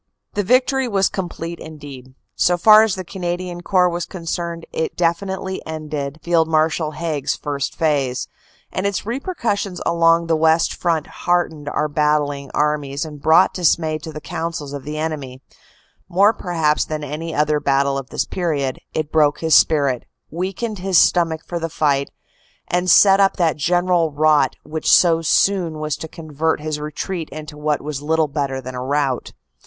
The victory was complete indeed; so far as the Canadian Corps was concerned it definitely ended Field Marshal Haig s "first phase"; and its repercussion along the West Front heart ened our battling armies and brought dismay to the counsels of the enemy; more perhaps than any other battle of this period, it broke his spirit, weakened his stomach for the fight, and set up that general rot which so soon was to convert his retreat into what was little better than a rout.